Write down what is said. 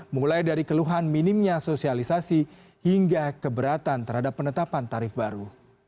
mulai dari keluhan minimnya sosialisasi hingga keberatan terhadap penetapan tarif baru